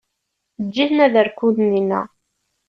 Ǧǧet-iten ad rkun dinna.